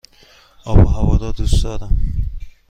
آب و هوا را دوست دارم.